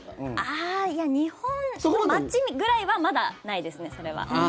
いや、日本の街ぐらいはまだないですね、それは。